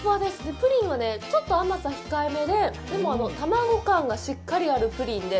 プリンは、ちょっと甘さ控えめで卵感がしっかりあるプリンで。